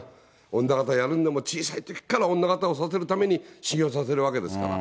女形やるんでも、小さいときから女形を育てるために、修業させるわけですから。